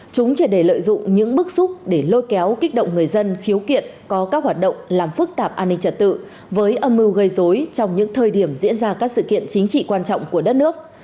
chúng triệt đề lợi dụng những bức xúc để lôi kéo kích động người dân khiếu kiện có các hoạt động làm phức tạp an ninh trật tự với âm mưu gây dối trong những thời điểm diễn ra các sự kiện chính trị quan trọng của đất nước